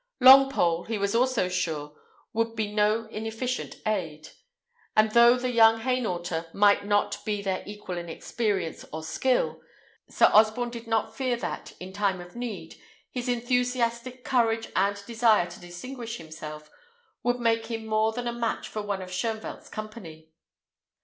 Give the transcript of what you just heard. Longpole, he was also sure, would be no inefficient aid; and though the young Hainaulter might not be their equal in experience or skill, Sir Osborne did not fear that, in time of need, his enthusiastic courage and desire to distinguish himself would make him more than a match for one of Shoenvelt's company.